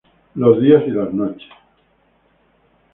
Los días y las noches.